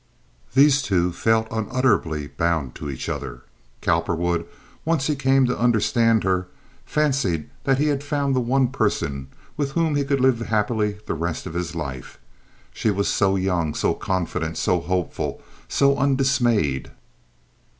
These two felt unutterably bound to each other. Cowperwood, once he came to understand her, fancied that he had found the one person with whom he could live happily the rest of his life. She was so young, so confident, so hopeful, so undismayed.